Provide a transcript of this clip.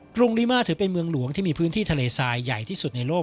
กรุงริมาถือเป็นเมืองหลวงที่มีพื้นที่ทะเลทรายใหญ่ที่สุดในโลก